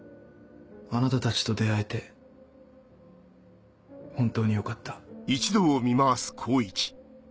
あなたたちと出会えて本当によかった。